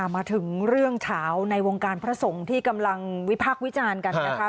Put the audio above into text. มาถึงเรื่องเฉาในวงการพระสงฆ์ที่กำลังวิพากษ์วิจารณ์กันนะคะ